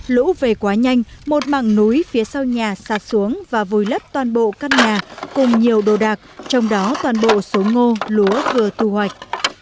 lũ về quá nhanh một mảng núi phía sau nhà sạt xuống và vùi lấp toàn bộ căn nhà cùng nhiều đồ đạc trong đó toàn bộ số ngô lúa vừa thu hoạch